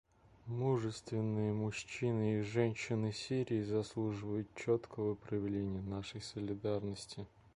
Мужественные мужчины и женщины Сирии заслуживают четкого проявления нашей солидарности.